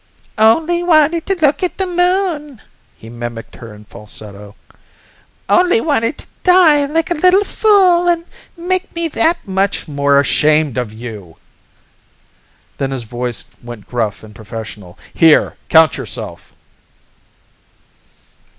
"Only wanted to look at the Moon!" he mimicked her in falsetto. "Only wanted to die like a little fool and make me that much more ashamed of you!" Then his voice went gruff and professional. "Here, count yourself."